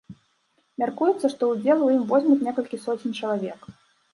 Мяркуецца, што ўдзел у ім возьмуць некалькі соцень чалавек.